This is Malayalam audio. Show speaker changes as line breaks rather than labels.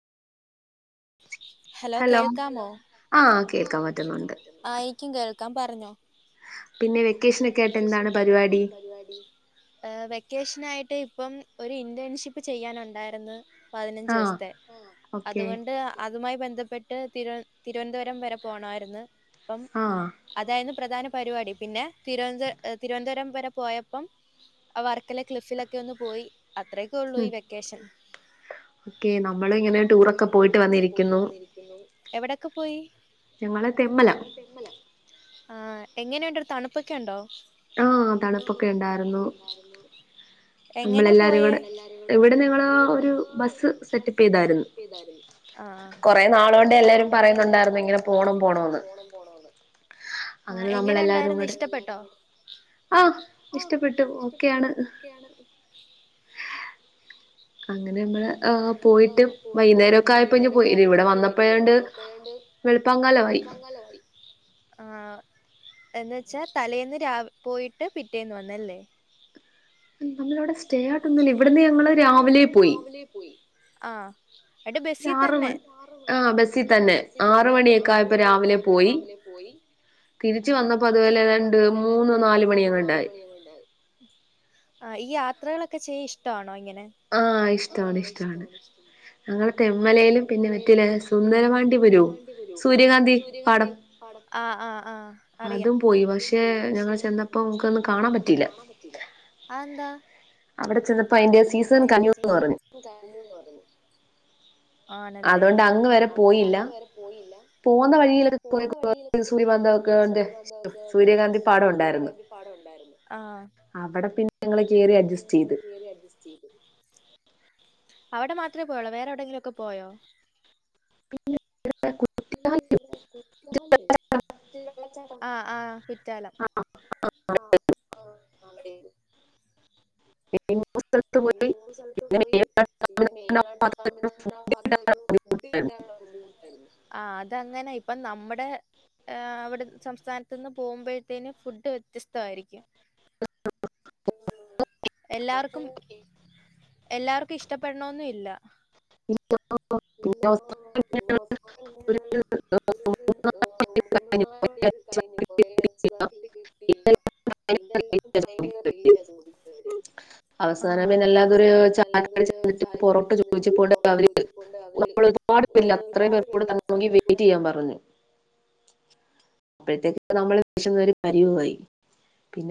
ഹലോ കേൾക്കാമോ ആഹ് ഇനിക്കും കേൾക്കാം പറഞ്ഞോ. പിന്നെ വെക്കേഷനൊക്കെ ആയിട്ട് എന്താണ് പരിപാടി. ഹ് വെക്കേഷനായിട്ട് ഇപ്പം ഒരു ഇന്റേൺഷിപ്പ് ചെയ്യാനുണ്ടായിരുന്നു. പതിനഞ്ച് ദിവസത്തെ അതുകൊണ്ട് അതുമായി ബന്ധപ്പെട്ട് തിരുവനന്തപുര പുരം വരെ പോണമായിരുന്നു അപ്പം. അതായിരുന്നു പ്രധാന പരിപാടി പിന്നെ തിരുവനന്ത തിരുവനന്തപുരം വരെ പോയപ്പം. ആ വർക്കല ക്ലിഫിലൊക്കെ ഒന്ന് പോയി അത്രക്കെ ഉള്ളു ഈ വെക്കേഷൻ. നമ്മള് ഇങ്ങനെ ടൂറൊക്കെ പോയിട്ട് വന്നിരിക്കുന്നു എവിടെക്കെ പോയി.
ഞങ്ങള് തെമ്മല.
തെമ്മല ആ എങ്ങനെ ഉണ്ടൊടെ തണുപ്പൊക്കെ ഉണ്ടോ. ആഹ് തണുപ്പൊക്കെ ഉണ്ടായ്രുന്നു. എങ്ങനാ പോയേ എല്ലാരും കൂടെ ഇവിടെ ഞങ്ങള് ഒരു ബസ് സെറ്റപ്പ് ചെയ്തായിരുന്നു. ആഹ് കൊറെ നാളോണ്ട് എല്ലാരും പറയുന്നുണ്ടായിരുന്ന് ഇങ്ങനെ പോണം പോണോന്ന്. ആഹ് എങ്ങനെ ഉണ്ടായിരുന്ന് ഇഷ്ടപ്പെട്ടോ.
അഹ് ഇഷ്ടപ്പെട്ടു ഓക്കെയാണ്.
ക്കെയാണ്.
അങ്ങനെ നമ്മള് പോയിട്ട് വൈന്നേരൊക്കെ ആയപ്പോ ഇഞ്ഞ്‌ പോയി ഇത് ഇവിടെ വന്നപ്പോയണ്ട്. വെള്പ്പാ കാലാവായി
കാലാവായി ആഹ് എന്ന് വെച്ചാ തലേന്ന് രാവ് പോയിട്ട് പിറ്റേന്ന് വന്നല്ലേ
നമ്മളവിടെ സ്റ്റേ ആയിട്ടൊന്നുല്ല ഇവിട്ന്ന് ഞങ്ങള് രാവിലെ പോയി
ലേ പോയി ആഹ് ങ്ങട്ട് ബെസ്സി തന്നെ ആറ് മണി ആഹ് ബെസ്സി തന്നെ ആറ് മണിയൊക്കായപ്പോ രാവിലെ പോയി തിരിച്ച് വന്നപ്പോ അതുപോലെ രണ്ട്, മൂന്ന്, നാല് മണിയെങ്ങാണ്ടായി ആഹ് ഈ യാത്രകളൊക്കെ ചെയ്യ ഇഷ്ടാണോ ഇങ്ങനെ
ആഹ് ഇഷ്ടാണ് ഇഷ്ടാണ് ഞങ്ങള് തെമ്മലേലും പിന്നെ മറ്റെലേ സുന്ദര പാണ്ടിപുരവും സൂര്യകാന്തി പാടം അതും പോയി പക്ഷെ ഞങ്ങള് ചെന്നപ്പോ മുക്കൊന്നും കാണാൻ പറ്റില്ല
അതെന്താ
അവിടെ ചെന്നപ്പോ അയിന്റെ സീസൺ കനൂന്ന് പറഞ്ഞു
നൂന്ന് പറഞ്ഞു ആണല്ലേ അതു കൊണ്ട് അങ്ങ് വരെ പോയില്ല
പോവ്ന്ന വഴിയില് [inaudible] സൂര്യകാന്തി പാടം ഒണ്ടായിരുന്ന് അവടെ പിന്നെ ഞങ്ങള് കേറി അഡ്ജസ്റ്റ് ചെയ്ത്
അവടെ മാത്രേ പോയൊള്ളോ വേറെവിടെങ്കിലോക്കെ പോയോ
പിന്നെ
പിന്നെ പിന്നെ കുറ്റാല് വെള്ള ചാട്ടം ആഹ് ആഹ് കുറ്റാലം ആഹ് ഓഹ് അവിടെയും
[inaudible]
പിന്നെ മൂന്ന് സെൽത്ത് പോയി പിന്നെ മെയിനായിട്ട് തമിഴ് നാട് [unintelligible] ഫുഡ് കിട്ടാനുള്ള ബുദ്ധിമുട്ടായിര്ന്ന് ആഹ് അതങ്ങനെ ഇപ്പൊ നമ്മടെ ഏ അവടെ സംസ്ഥാനത്ത്ന്ന് പോമ്പഴത്തേനും ഫുഡ് വ്യത്യസ്തവായിരിക്കും
[inaudible]
എല്ലാർക്കും എല്ലാർക്കും ഇഷ്ടപ്പെടണോന്നും ഇല്ല [unintelligible] പിന്നെ ബസ്സിനെങ്ങനെ പോയി ഒരു മൂന്നുമണി നാല് മണിയൊക്കെ കഴിഞ്ഞു. കൊറേ [unintelligible] കിട്ടിയില്ല. ഇല്ല ഇല്ല [unintelligible]
അവസാനം പിന്നെ അല്ലാതൊരു [inaudible] പൊറോട്ടചോദിച്ചപ്പോണ്ട് അവര് നമ്മൾ ഒരുപാട് പേരില്ല അത്രയും പേര്ക്കൂടെ [unintelligible] വെയിറ്റെയ്യാൻ പറഞ്ഞ് അപ്പഴത്തേക്ക് നമ്മള് വിശനൊരു പരിവായി